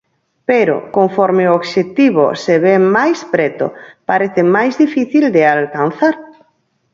Pero, conforme o obxectivo se ve máis preto, parece máis difícil de alcanzar.